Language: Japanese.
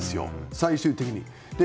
最終的に。